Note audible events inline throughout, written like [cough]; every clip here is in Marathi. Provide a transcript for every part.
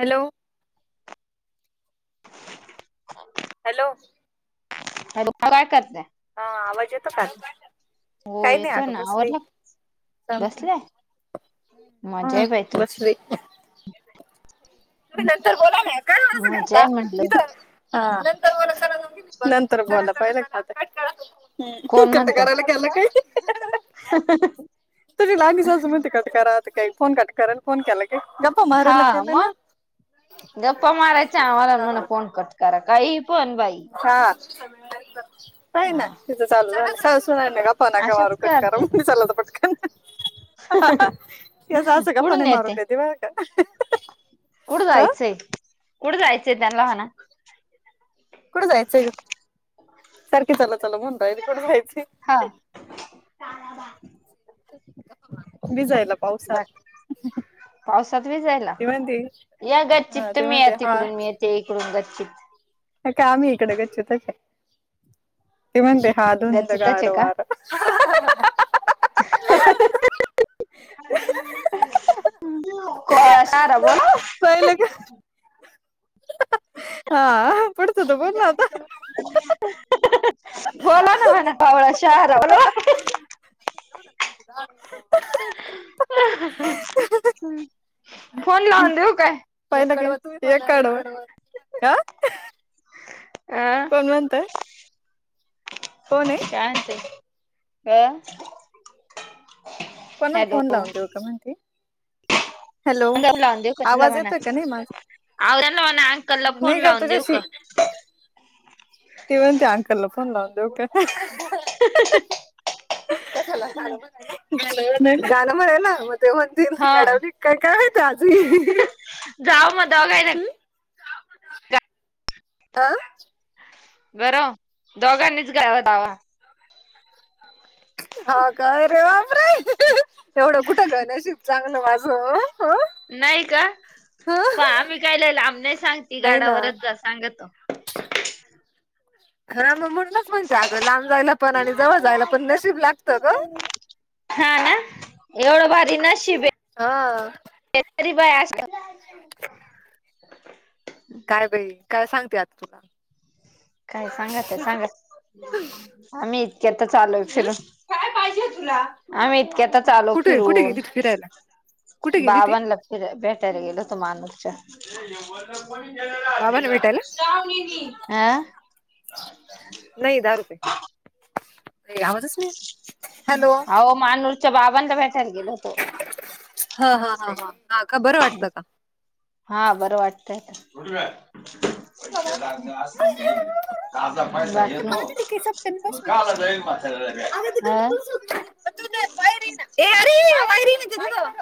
हॅलो [unintelligible] हॅलो हॅलो काय करताय? हा आवाज येतो का हो काही नाही येतोय आग ना कसली आवरलं सज बसलाय मजा हा आहे बाई तू बसली तुम्ही नंतर बोला ना का आसं मजा करता आहे इथ म्हटलं हा नंतर बोला पहिलं काट करायला गला कर ह तझरी लाग सज मती कट कता काही फोन कट फोन केला क गपपा हा मारला केला मग ना गप्पा मारय च मला मला ना. फोन कटकारा काय पोण भाई हा काही हा ना तिचं चालू ससणार नाही का णा का वारू अशाच करते पटका चालाता पटक हेच आस गपााने मारून देत बार का कुढ अ जायचंय कुढ जायचंय त्यांना हणा कुठं जायचंय सारखे चला चला म्हनताय कुठं जायचंय हा भी जायला बर पावसात पावसात व जायला ती म्हणती या ग हा चित्त ते मी या म्हणते हा तिकडून मी ते इकडून ग् का आम्ही इकडे गच्छत ते म्हणते अधुंद गच्चीतच आहे ग का अर वार ह ह ह ह हहह क सारा बोला पाहिलं का हा पुढचं तू आम बोल ना जा आता कर बोला ना म्हणा पावळा शहारवला [inaudible] फोन लावून दिऊ पहिड म येकाड ह अ पंगंत आहे कोण आहे काते अ कोणाला हॅलो फोन लावून देऊ का म्हणली अग आप लाव दे हो कतला आवाज मना येतोय का नाही माझा आव त्यांला लोला अंकलला फोन नाही लावून देऊ तुझ्याशी का तेव्हन ते अंकलला फोन लावून दे ओ का ह ग गान म्हला म हा तसिंगाडावली काय कायय आजू जाव मग दव गय आह बरं दोघांनीच गवा दावा हा का रे बापरे एवढं कुठं गय नशीब चांगलं माझं ह नाही का ह प आम्ही काय लहिल आमन सांगते नाही ना गाडावरच जास् सांग त हा मग म्हणूनच म्हणते अगं लांब जायला पण आणि जवळ जायला पण नशीब लागतं ग हा ना एवढ बारी न शिबे हा तेरी बाय अस काय बाई काय सांगते आता तुला काय सांगत आहे सांग आम्ही इतके आता चालू आहेय हम् फिरून काय पाहिजे तुला आम्ही इतक्या आता चालो कुठे कुठे फिरून गेली ती फिरायला कुठे गेली ती बावन लक्ष फि बेटरे गेलो तू मानूरच्या बाबाने भेटायला आं नाही दहा रुपये आ हॅलो अहो मानूरच्या बाबांना भेटायला गेल होतो हा हा ह हा का बरं वाटतं का हा बरं वाटतंय ह पैशाां अस हे आता पस येेत काला नवी मासा व अरे वयरीने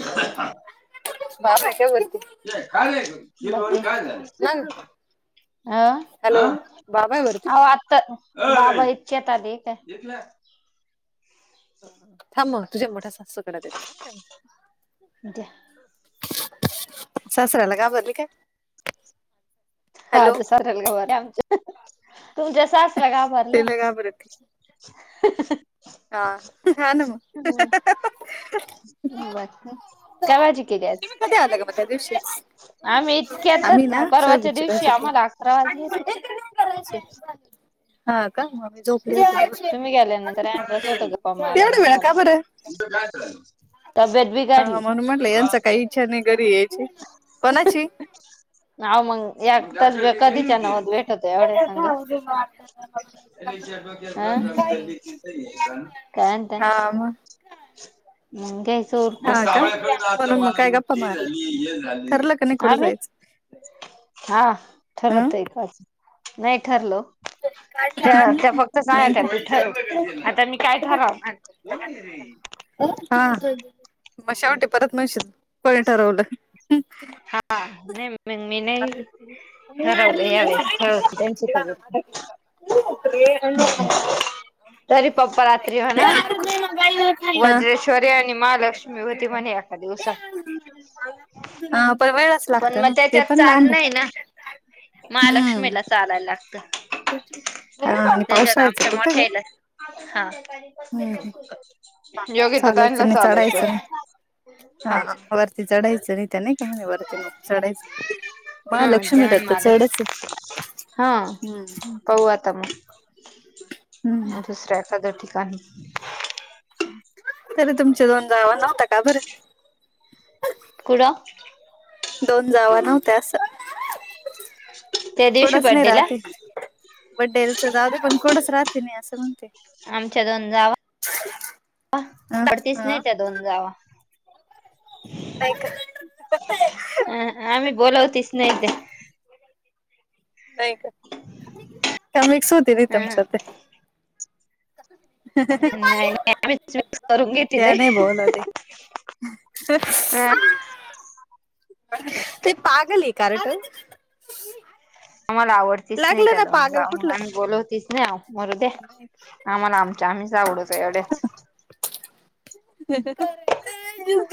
ह बाबा आहे काय वरती काय नाहीिन काय झालं मग हह हॅलो बाबा आहे वरती आता बा इचछतध का थां मग तुझ्या मोठ्या सासकडत येते द्या. सासऱ्याला कााबरली काय हॅलो हाझ सऱ्याला गाभर आमच्या तुमच्या सासरा गाभरल्या तिला घाबरते [inaudible] हा नान म ब कावाजी क ग्यास तुम्ही कधी आला का त्या दिवशी आम्ही इतक्यातच ना परवाच्या सोयबीजची प दिवशी आम्हाला अकरा वाजले होते. हा का झप तुम्ही गेले ना तर होत एवढ वेळा का बर तबेत हा म्हणून म्हटलं यांचा काही इच्छा नाही घरी याची कोणाची ना मंग या तर कधीच्या नाव भेट त एवढ्या संग हा काय हा मग ज हा का सावळ्याकड आता मला उलटी झाली हे झाली ठलं क कठं आम्ही जायचं हा अं ठरत आहेच नाही ठरलो का आगलं नाही आता ठरव आता मी काय ठरव हा मग शेवटी परत नवशील कोणी ठरवलं हा नाही मे म नाही मारलेलं ारवले यावे सार ख जास त ब हू होते तरी पप्प रात्री हो ना वज्रेश्वरी आणि महालक्ष्मी होती म्हण ए दिवसा हा वेळच लागत ना ते पण लांब ना आहे हम्म महालक्ष्मीला चालायला लागतं हा आणि पावसायचं कुठं का मोठ्याला [inaudible] योग्य तर चालायचं तला नाही चालायचं चढायचं हा ते चढायच त्याने म्ह च म हा ते लक्षमीटात म्हणे तर मला चढच हा आहे हम् पाहू आता मग हम्म दुसऱ्या एखाद्या ठिकाणी तरी तुमच्या दोन जावां नव्हता का बरं कुठ दोन जाव नव्हत्या सं त्या दिवशी बंडेला बडडे च जावुदे पण कोडस राहातीन अ असं म्हणते आमच्या दोन जावा आ ह पडतीस नाही हा त्या दोन जावा लाईकन अ अ आम्ही बोलावतीस नाही त्या ठु ठु आ म्हीही सुूतीली ताच्या नाही आम्हीच मिक्स करून घेतली त्या नाही बोलोल होते तेच नाही. ते पागल कारे तो मला आवडतीच नाही लागलं त्या ना दोन पागल ग कुठलं आणि बोलवतीच माव मरुदे आम्हाला आमच्या आम्हीच आवडत आहे एवढ्याच येत्या का ऐ यु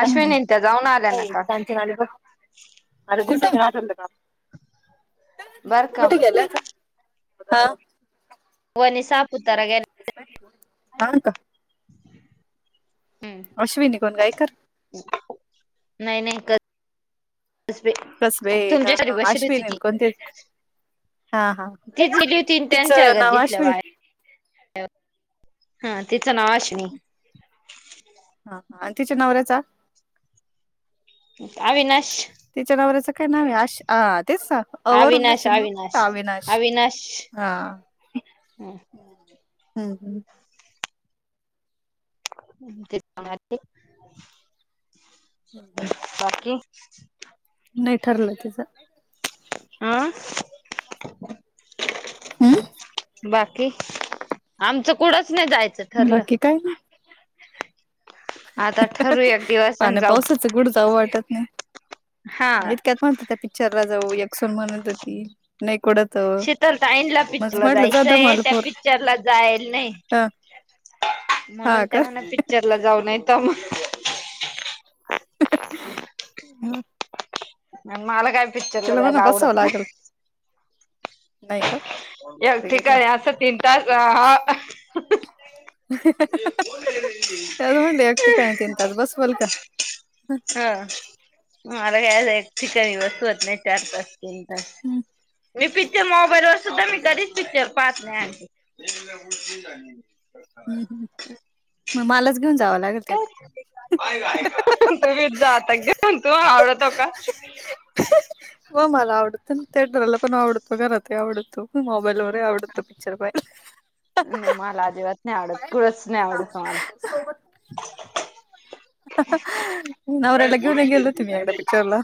अश्विनी त्या जाऊन आल्या न आता [unintelligible] बर का कुठे गेला लता हा व निसाब हा का हम्म अश्विनी कोन घाइकर कर नाही नाही क तुमच्यासाठी बषरती ती दे पण ती दिेली होती त्यांच्या तिचं नाव गर्दीतल्या बाहेर अश्विनी हा तिचं नाव अश्विनी हा आणि तिच्या नवऱ्याचा अविनाश तिच्या नवऱ्याचा काय नाव आहे आशा हा तेच अविनाश अवरुणचे म्हणूनता अविनाश अविनाश हा हम् हम् हम् ते बाकी नाय ठरलं तिचं आं हं बाकी आमचं कुडंच नाही जायचं ठरलं बाकी काय नाही आता ठरू एक दिवस आणि पाण्या जाऊ पावसाच कुड जावं वाटत नाही हा इतक्यात म्हणत त्या पिक्चरला जाऊ एकसुण म्हणत हो ती शितल ताईला पिकच्चरला तुला म्हटलं जादा जायचंय मला त्या पोर पिक्चरला जायला नाय ह हा म्हणून का तेव्हाणा पिकच्चरला जाऊन तर मग हु हु म मला काय पिक्चरला जायला आवडत नाही नाय का ए वेळ ठीक द्या आहे असं तीन तास आ तेच म्हटली एकटी काय तीन तास बसवेल का हा मला काय एकटी वस नाय नाई... चार तास... तीन तास... हम्म मी [unintelligible] मोबाईलवर सुद्धा मी पिच्चर पाहात नाई आंटी हूं.. हूं... मग मालाच घेऊन जावं लागल [unintelligible] तुम्हीच जा, आता घेऊन... तुम्हाला आवडतो का? हं हो... मला आवडतं.. थिएटरला पण आवडतो... घरातही आवडतो... मोबाईलवरही आवडतो... पिक्चर पाहायला [inaudible] नई... मला आजिबात नाई आवडत... कुळच नई आवडत मला हं हं [inaudible] हं हं... नवऱ्याला घेऊनही गेले होते मी एकदा पिक्चरला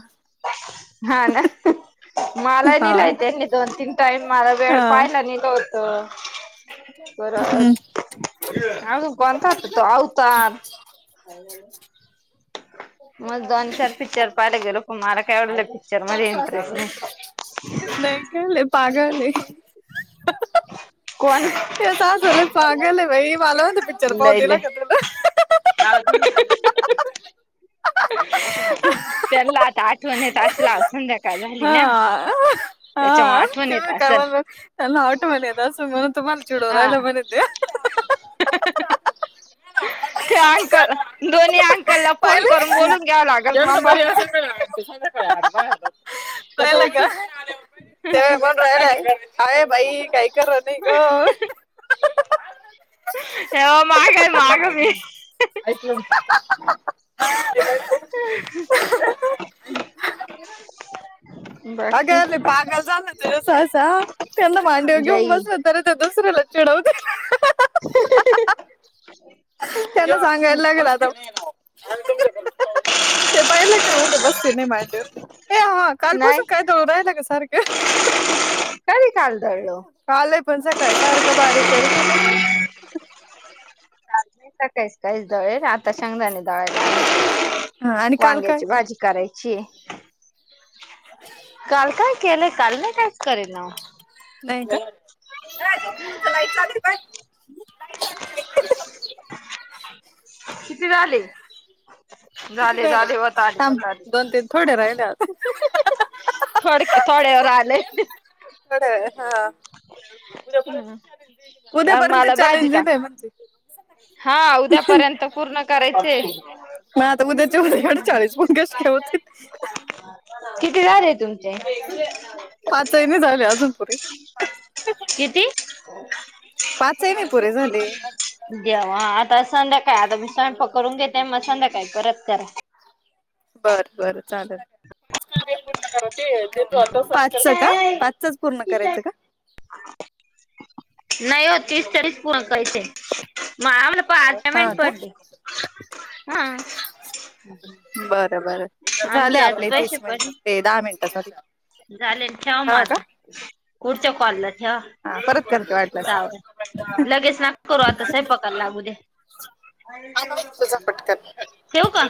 हा ना... मालाही हा नैले होते... असे दोन तीन ताई... मला वेड हा पायला नेलं होतं... हम्म परत अजून कोणता होता तो... आवतार... काय झालं मस दोन चार पिक्चर पाहायला गेलो... पण मला काय.. [unintelligible] पिक्चर मध्ये इंटरेस्ट नई इंटरेस्ट नई का... लई पागल ए कोण? तेच असं लई पागल ए बई... माला म्हणतं पिक्चर पाहू लय दिला लय का तुला? [unintelligible] त्यांना आता आठ वन येत असला... संध्याका हा... हा आठवण ते येत बघ... काय असेल म्हणालाय... त्यांना आठवण येत असल... म्हणून... तुम्हाला चिडवू हा राहायला म्हणे ते हां हां हां [unintelligible] अंकल दोन्ही अंकलला... फोन पाहिलं करून... का? बोलून घ्यावं लागल... यांचं थांबा तरी असेल [unintelligible] कळलं का... सेवया बनवू राहायलाय... आरे भाई काय खरं नई गं [unintelligible] मागं ये... मागं मी ऐकलं हं [unintelligible] बाकी अगं ते पागल झालं ते असं असा... त्याना मांडीवर घेऊन लई बसलं... तरी ते दुसऱ्याला चिडवतील [unintelligible] त्यांना सांगाय लागल आता हे पाहिलं का... म्हणतं बसती नई मांडी वर नाही कालपासून काय दावू राहिलं गं सारखं [inaudible] कधी काल दळलं? कालय पण सकाळी... सारखं बारीक करीत होता [inaudible] नाचणी... सकाळीच... काळीच दळेल... आता शेंगदाणे दळाया टाकले हा आणि काल काय वांग्याची भाजी करायचीए काल काय केलंय... काल नई... कायीच करी नव्ह नई का? ए ते कोणतं लाईट चालू हाय पाय... कोणतं लाईट चालू ए बाई [inaudible] किती झाले? झाले.. झालं झाले... व्हत आले.. थांब व्हत आले दोन तीन थोडे राहिले आता [unintelligible] थोडक्या.. थोड्यावर आलय कडं हा उद्यापर्यंत चॅलेंजिंग ए... कारण उद्यापर्यंत मला भाजी टाक चॅलेंजिंग ए म्हणती हा... उद्या पर्यंत पूर्ण करायचय नाय... आता उद्याच्या उद्या... एव्हडं चाळीस फोन कशे काय व्हतील? किती झाले तुमचे? पाचही नई झाले अजून परेंन किती? पाचही नाही पुरे झाले देवा आता संध्याकाळ आता मी स्वयंपाक करून घेते मग संध्या काय करत करा. बर बर चालल. पाच का पाचच पुर्ण करायचं का? नाई ओ तीस [unintelligible] प कायते मामला हा पठमेट का पडली हा. बर बर झाले आमचे आज आपले पैसे तीस मिनिटं पडले प दहा मिनिट झाली. झाले ठेवा म आता पूडच्या कॉलला ठेवा. हा परत करते वाटल्यास. [unintelligible] लगेच नका करू आता सयपाकाला लागू द्या. पटकन ठेवू का?